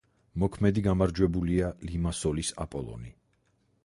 მოქმედი გამარჯვებულია ლიმასოლის „აპოლონი“.